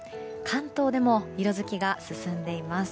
関東でも色づきが進んでいます。